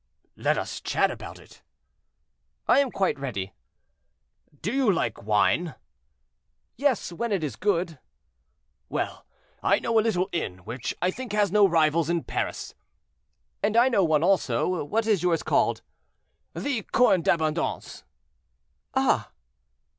"Let us chat about it." "I am quite ready." "Do you like wine?" "Yes, when it is good." "Well! I know a little inn, which I think has no rival in Paris." "And I know one also; what is yours called?" "The 'Corne d'Abondance.'" "Ah!"